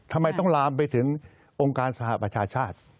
ทำไมต้องลามไปถึงองค์การสหประชาชาติ